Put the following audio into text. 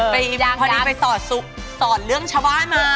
พอดีไปสอนเรื่องชาวบ้านมา